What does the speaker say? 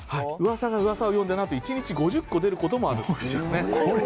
噂がうわさを読んで何と１日５０個出ることもあるそうですね。